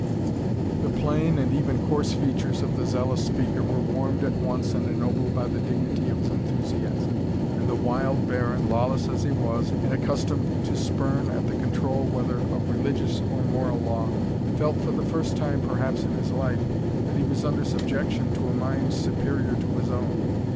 The plain, and even coarse features, of the zealous speaker, were warmed at once and ennobled by the dignity of his enthusiasm; and the wild Baron, lawless as he was, and accustomed to spurn at the control whether of religious or moral law, felt, for the first time perhaps in his life, that he was under subjection to a mind superior to his own.